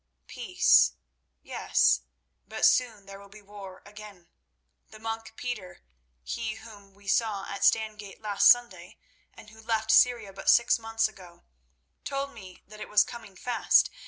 "Peace? Yes; but soon there will be war again. The monk Peter—he whom we saw at Stangate last Sunday, and who left Syria but six months gone—told me that it was coming fast.